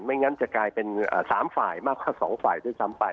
งั้นจะกลายเป็น๓ฝ่ายมากกว่า๒ฝ่ายด้วยซ้ำไป